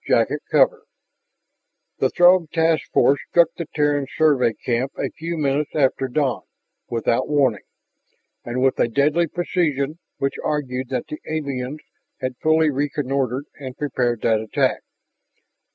Library Journal The Throg task force struck the Terran survey camp a few minutes after dawn, without warning, and with a deadly precision which argued that the aliens had fully reconnoitered and prepared that attack.